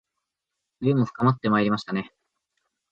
冬も深まってまいりましたね